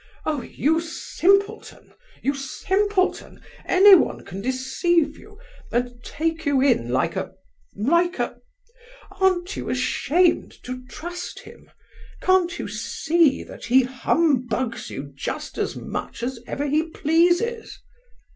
Oh, you simpleton—you simpleton! Anyone can deceive you and take you in like a—like a,—aren't you ashamed to trust him? Can't you see that he humbugs you just as much as ever he pleases?"